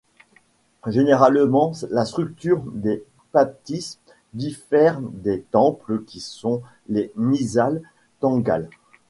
Généralement, la structure des Pathis diffère des temples que sont les Nizhal Thangals.